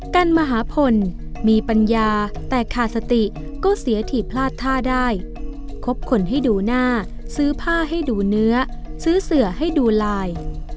กันมหาพลมีปัญญาแต่ขาดสติก็เสียถีบพลาดท่าได้คบคนให้ดูหน้าซื้อผ้าให้ดูเนื้อซื้อเสือให้ดูลาย